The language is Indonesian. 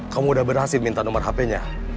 kamu udah berhasil minta nomor hp nya